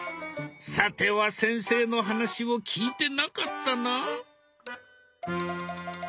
さては先生の話を聞いてなかったな。